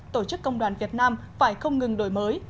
tổ chức công đoàn việt nam phải không ngừng đổi mới